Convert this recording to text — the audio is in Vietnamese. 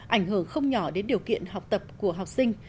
ảnh hưởng không nhỏ đến điều kiện học tập của học sinh